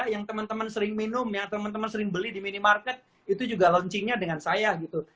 yang teman teman sering minum yang teman teman sering beli di minimarket itu juga launchingnya dengan saya gitu